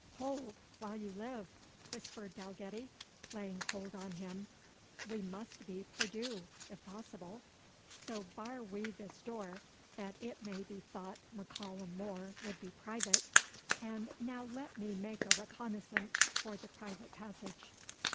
"Hold, while you live," whispered Dalgetty, laying hold on him. "We must be perdue, if possible. So bar we this door, that it may be thought M'Callum More would be private and now let me make a reconnaissance for the private passage."